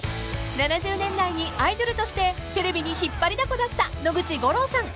［７０年代にアイドルとしてテレビに引っ張りだこだった野口五郎さん］